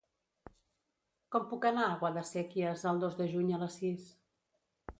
Com puc anar a Guadasséquies el dos de juny a les sis?